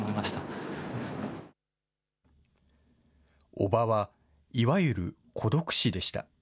叔母はいわゆる孤独死でした。